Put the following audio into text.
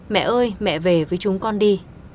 mẹ ơi mẹ về với chúng con đi